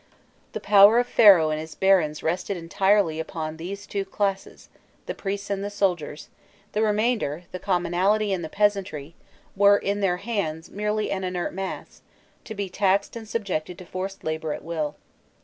The power of Pharaoh and his barons rested entirely upon these two classes, the priests and the soldiers; the remainder, the commonalty and the peasantry, were, in their hands, merely an inert mass, to be taxed and subjected to forced labour at will.